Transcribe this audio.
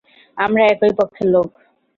আমরা একই পক্ষের লোক।